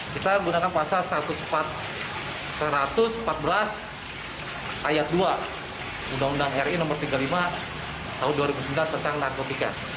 kita gunakan pasal satu ratus empat belas ayat dua undang undang ri no tiga puluh lima tahun dua ribu sembilan tentang narkotika